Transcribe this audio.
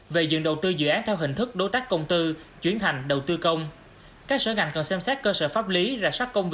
về dự án đầu tư dự án theo hình thức đối tác công tư chuyển sang đầu tư công